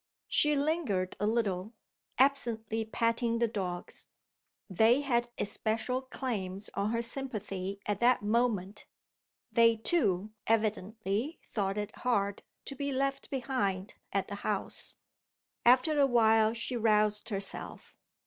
She lingered a little, absently patting the dogs. They had especial claims on her sympathy at that moment; they, too, evidently thought it hard to be left behind at the house. After a while she roused herself.